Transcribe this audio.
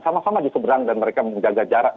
sama sama diseberang dan mereka menjaga jarak